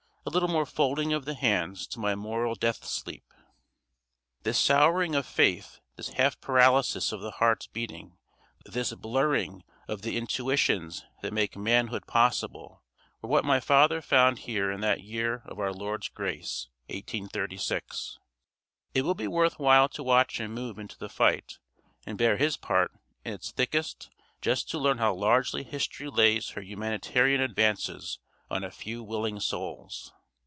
a little more folding of the hands to my moral death sleep! This souring of faith, this half paralysis of the heart's beating, this blurring of the intuitions that make manhood possible, were what my father found here in that year of our Lord's grace, 1836. It will be worth while to watch him move into the fight and bear his part in its thickest, just to learn how largely history lays her humanitarian advances on a few willing souls.